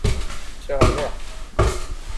Ččiɣ mliḥ.